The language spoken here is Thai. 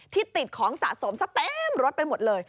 ติดของสะสมซะเต็มรถไปหมดเลย